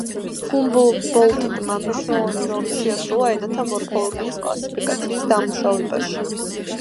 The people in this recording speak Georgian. ჰუმბოლდტმა მნიშვნელოვანი როლი შეასრულა ენათა მორფოლოგიის კლასიფიკაციის დამუშავებაში.